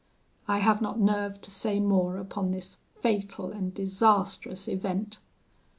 I have not nerve to say more upon this fatal and disastrous event.